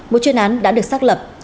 một chuyên án đã được xác lập